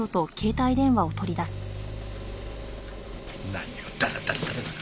何をダラダラダラダラ。